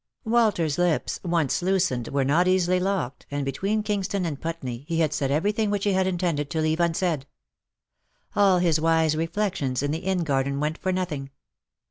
Walter's lips, once loosened, were not easily locked, and between Kingston and Putney he had said everything which he had intended to leave unsaid. All his wise reflections in the inn garden went for nothing.